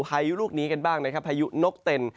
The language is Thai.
พายุลูกนี้กันบ้างนะครับพายุนกเต็น